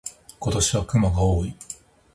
今年は熊が多い。